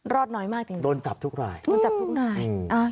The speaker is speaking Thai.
รอดน้อยมากจริงจริงโดนจับทุกรายโดนจับทุกรายอืมอ่า